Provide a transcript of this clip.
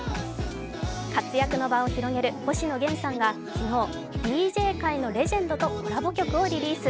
活躍の場を広げる星野源さんが昨日、ＤＪ界のレジェンドとコラボ曲をリリース。